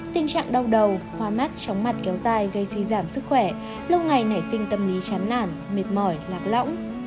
tình trạng đau đầu hoa mắt chóng mặt kéo dài gây suy giảm sức khỏe lâu ngày nảy sinh tâm lý chán nản mệt mỏi lạc lõng